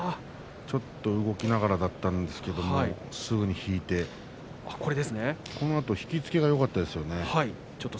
ちょっと動きながらだったんですが、すぐに引いてこのあと引き付けがよかったですね。